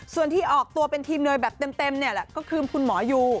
ส่วนที่ออกตัวเป็นทีมเนยแบบเต็มเนี่ยแหละก็คือคุณหมอยู